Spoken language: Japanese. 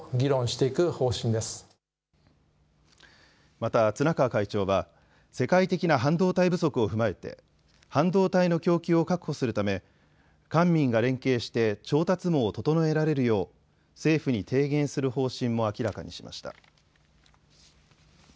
また綱川会長は世界的な半導体不足を踏まえて半導体の供給を確保するため官民が連携して調達網を整えられるよう政府に提言する方針も明らかにしました。